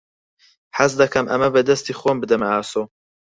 حەز دەکەم ئەمە بە دەستی خۆم بدەمە ئاسۆ.